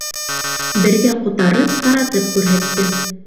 Беҙгә ҡутарып, таратып күрһәтте.